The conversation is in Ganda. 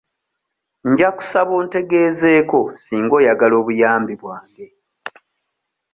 Nja kusaba ontegezeeko singa oyagala obuyambi bwange.